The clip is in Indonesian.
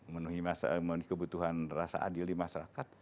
memenuhi kebutuhan rasa adil di masyarakat